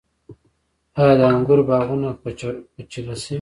آیا د انګورو باغونه په چیله شوي؟